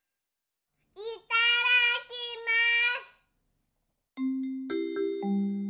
いただきます！